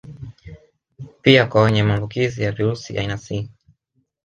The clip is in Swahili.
Pia kwa wenye maambukizi ya virusi aina C